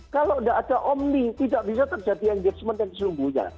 kalau tidak ada omni tidak bisa terjadi engagement yang sesungguhnya